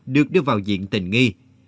được đưa vào diện tình nghi